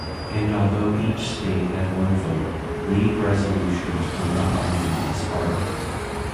And although each state had one vote, League resolutions were not binding on Sparta.